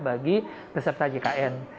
bagi peserta jkn